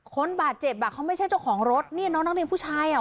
คนบาดเจ็บอ่ะเขาไม่ใช่เจ้าของรถนี่น้องนักเรียนผู้ชายอ่ะ